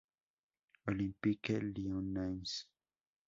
Olympique Lyonnais